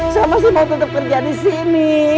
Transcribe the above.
sama sama tetep kerja disini